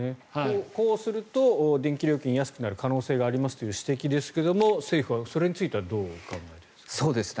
こうすると、電気料金が安くなる可能性がありますという指摘ですけれども政府はそれについてはどう考えているんですか？